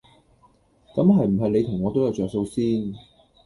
咁係唔係你同我都有着數先？